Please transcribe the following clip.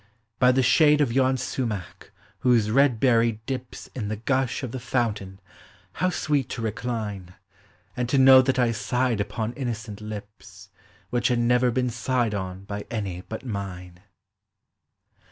" By the shade of yon sumach, whose red berry dips In the gush of the fountain, how sweet to re cline, And to know that I sighed upon innocent lips, Which had never been sighed on by any but mine!